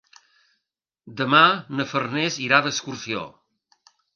Demà na Farners irà d'excursió.